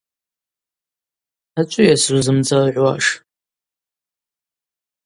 Ачӏвыйа сзузымдзыргӏвуаш?